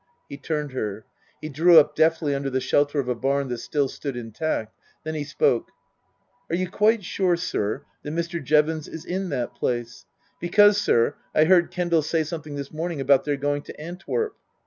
He turned her. He drew up deftly under the shelter of a barn that still stood intact. Then he spoke. " Are you quite sure, sir, that Mr. Jevons is in that place ? Because, sir, I heard Kendal say something this morning about their going to Antwerp."